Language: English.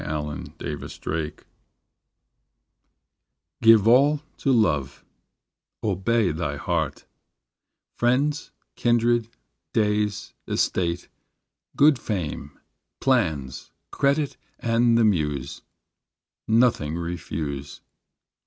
GIVE ALL TO LOVE Give all to love; Obey thy heart; Friends, kindred, days, Estate, good fame, Plans, credit and the Muse, Nothing refuse.